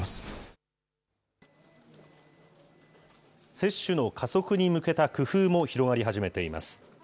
接種の加速に向けた工夫も広がり始めています。